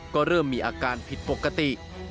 ก็เริ่มมีอาการผิดปกติ